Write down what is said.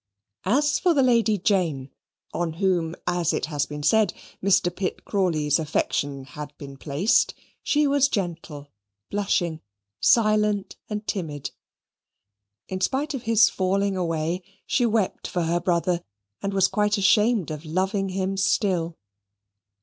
As for the Lady Jane, on whom, as it has been said, Mr. Pitt Crawley's affection had been placed, she was gentle, blushing, silent, and timid. In spite of his falling away, she wept for her brother, and was quite ashamed of loving him still.